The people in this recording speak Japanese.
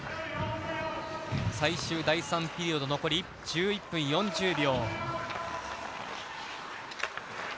最終第３ピリオド残り１１分４０秒。